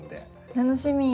楽しみ！